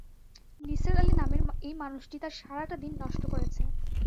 নিসার আলি নামের এই মানুষটি তাঁর সারাটা দিন নষ্ট করেছে।